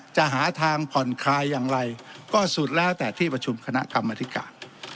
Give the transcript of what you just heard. จะหาทางผ่อนคลายอย่างไรก็สุดแล้วแต่ที่ประชุมคณะกรรมธิการ